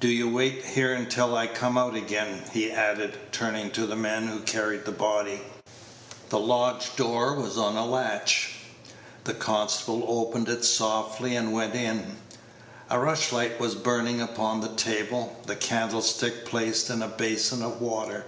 Do you wait here till I come out again," he added, turning to the men who carried the body. The lodge door was on the latch. The constable opened it softly and went in. A rushlight was burning upon the table, the candlestick placed in a basin of water.